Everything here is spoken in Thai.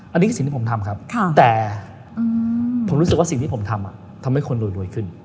อันนี้คือสิ่งที่ผมทำครับแต่ผมรู้สึกว่าสิ่งที่ผมทำทำให้คนรวยขึ้น